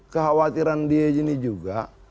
kekhawatiran dia ini juga